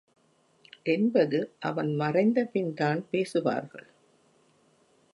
என்பது அவன் மறைந்தபின்தான் பேசுவார்கள்.